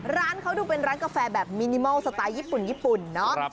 ร้านเขาถูกเป็นร้านกาแฟแบบมินิมอลสไตล์ญี่ปุ่นนะ